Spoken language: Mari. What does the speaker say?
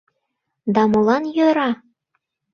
— Да молан йӧра?